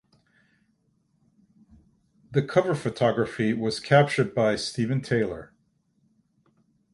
The cover photography was captured by Steven Taylor.